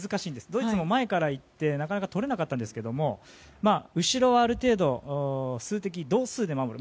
ドイツも前から行ってなかなか取れなかったんですが後ろはある程度、数的同数で守る。